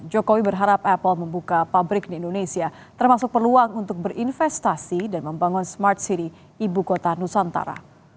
jokowi berharap apple membuka pabrik di indonesia termasuk peluang untuk berinvestasi dan membangun smart city ibu kota nusantara